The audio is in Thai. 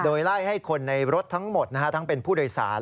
โดยไล่ให้คนในรถทั้งหมดทั้งเป็นผู้โดยสาร